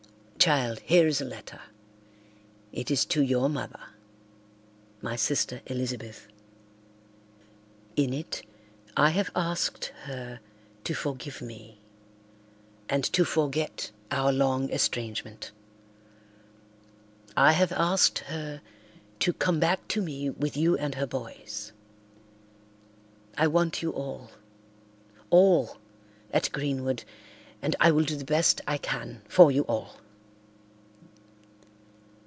Child, here is a letter. It is to your mother—my sister Elizabeth. In it I have asked her to forgive me, and to forget our long estrangement. I have asked her to come back to me with you and her boys. I want you all—all—at Greenwood and I will do the best I can for you all."